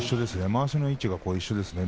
まわしの位置が一緒ですね。